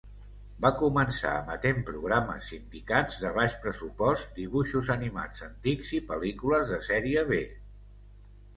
Va començar emetent programes sindicats de baix pressupost, dibuixos animats antics i pel·lícules de sèrie B.